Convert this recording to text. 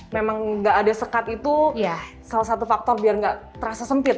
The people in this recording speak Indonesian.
memang gak ada sekat itu salah satu faktor biar gak terasa sempit gitu